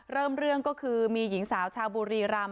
เริ่มเรื่องก็คือมีหญิงสาวชาวบุรีรำ